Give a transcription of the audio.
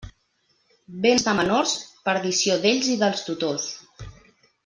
Béns de menors, perdició d'ells i dels tutors.